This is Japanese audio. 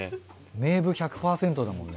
めーぶ１００％だもんね。